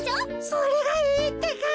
それがいいってか。